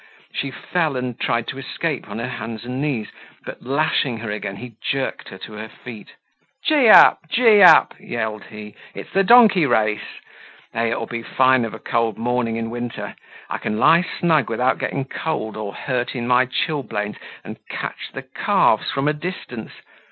She fell and tried to escape on her hands and knees; but lashing her again he jerked her to her feet. "Gee up, gee up!" yelled he. "It's the donkey race! Eh, it'll be fine of a cold morning in winter. I can lie snug without getting cold or hurting my chilblains and catch the calves from a distance.